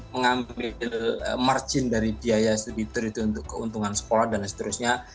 mengambil margin dari biaya switter itu untuk keuntungan sekolah dan seterusnya